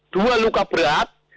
dua luka berat